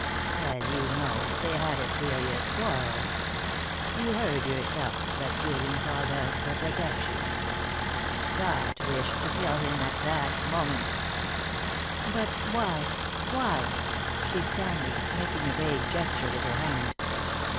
As you know, they had a serious quarrel. You heard yourself that Julian called out for protection. Scott wished to kill him at that moment." "But why why?" she stammered, making a vague gesture with her hand.